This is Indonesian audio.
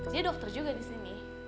dia dokter juga disini